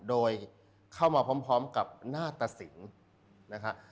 โดยเข้ามาพร้อมกับหน้าตะสินนะครับ